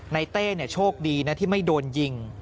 เต้โชคดีนะที่ไม่โดนยิง